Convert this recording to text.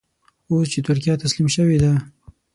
اوس چې ترکیه تسلیم شوې ده.